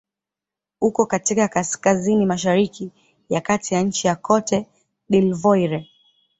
Uko katika kaskazini-mashariki ya kati ya nchi Cote d'Ivoire.